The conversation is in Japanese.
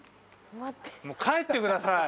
もう帰ってください。